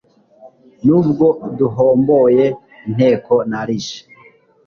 N'ubwo duhomboye inteko nalishe.